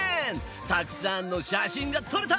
たくさんの写真が撮れた！